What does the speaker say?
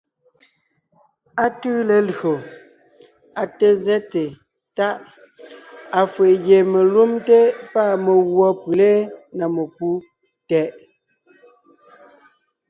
Á tʉʉ lelÿò, á té zɛ́te Táʼ, afʉ̀ʼ gie melúmte pâ meguɔ pʉlé (na mekú) tɛʼ.